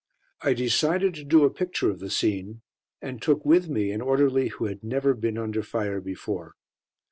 I decided to do a picture of the scene, and took with me an orderly who had never been under fire before.